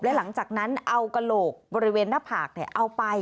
และหลังจากนั้นเอากระโหลกบริเวณหน้าผากเอาไป